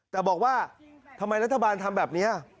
แต่บอกว่าทำไมรัฐบาลทำแบบนี้